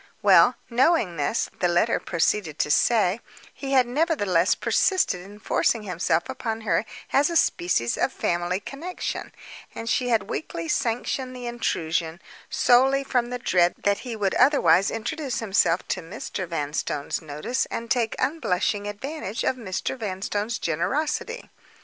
Well knowing this (the letter proceeded to say), he had nevertheless persisted in forcing himself upon her as a species of family connection: and she had weakly sanctioned the intrusion, solely from the dread that he would otherwise introduce himself to Mr. Vanstone's notice, and take unblushing advantage of Mr. Vanstone's generosity.